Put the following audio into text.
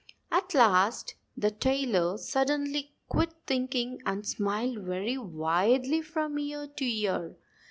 At last the tailor suddenly quit thinking and smiled very widely from ear to ear.